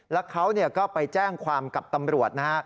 แล้วเขาก็ไปแจ้งความกับตำรวจนะฮะ